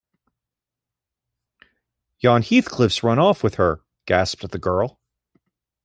'Yon Heathcliff’s run off with her!’ gasped the girl.